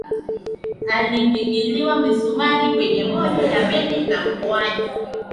alipigiliwa misumari kwenye moja ya meli za uokoaji